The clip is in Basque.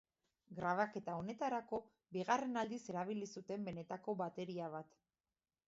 Grabaketa honetarako, bigarren aldiz erabili zuten benetako bateria bat.